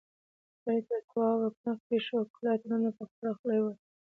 سړی تر توابه مخکې شو، کلا ته ننوت، په خواره خوله يې وويل: